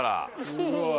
すごい。